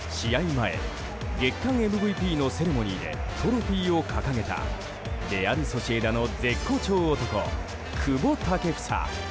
前月間ＭＶＰのセレモニーでトロフィーを掲げたレアル・ソシエダの絶好調男久保建英。